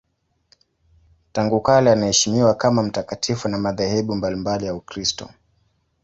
Tangu kale anaheshimiwa kama mtakatifu na madhehebu mbalimbali ya Ukristo.